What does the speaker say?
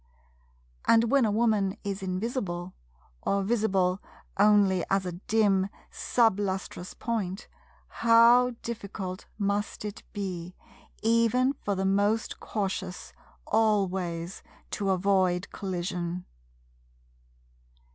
And when a Woman is invisible, or visible only as a dim sub lustrous point, how difficult must it be, even for the most cautious, always to avoid collision!